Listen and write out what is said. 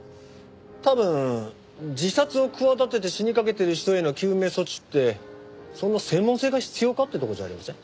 多分自殺を企てて死にかけている人への救命措置ってそんな専門性が必要かってとこじゃありません？